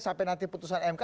sampai nanti putusan mk